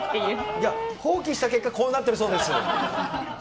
じゃあ、放棄した結果、こうなってるそうです。